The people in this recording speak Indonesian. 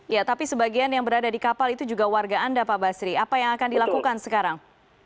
ya tapi sebagian yang berada di kapal itu juga warga anda pak basri apa yang akan dilakukan sekarang